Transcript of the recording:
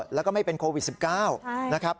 แล้วก็ไม่เป็นโควิด๑๙